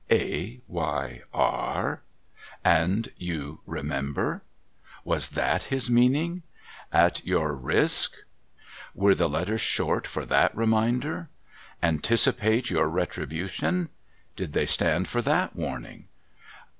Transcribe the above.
A. Y. R. ? And You Remember. Was that his meaning? At Your Risk. Were the letters short for ///a/ reminder? Anticipate Your Retribution. Did they stand for that warning